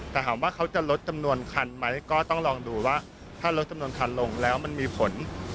แต่ถามว่าเขาจะลดจำนวนคันไหมก็ต้องลองดูว่าถ้าลดจำนวนคันลงแล้วมันมีผล